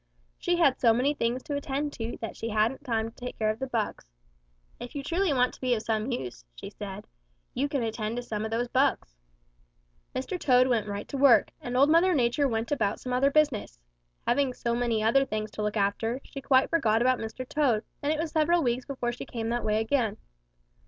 She had so many things to attend to that she hadn't time to take care of the bugs. 'If you truly want to be of some use,' said she, 'you can attend to some of those bugs.' "Mr. Toad went right to work, and Old Mother Nature went about some other business. Having so many other things to look after, she quite forgot about Mr. Toad, and it was several weeks before she came that way again.